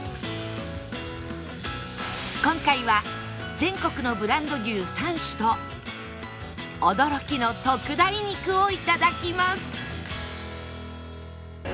今回は全国のブランド牛三種と驚きの特大肉をいただきます